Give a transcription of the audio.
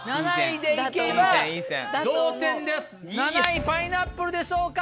７位パイナップルでしょうか？